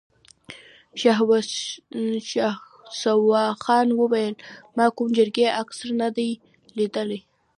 شهسوارخان وويل: ما کوم ګرجۍ عسکر نه دی ليدلی!